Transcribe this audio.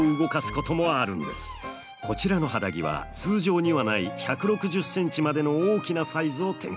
こちらの肌着は通常にはない１６０センチまでの大きなサイズを展開。